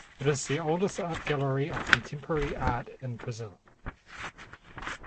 It is the oldest art gallery of contemporary art in Brazil.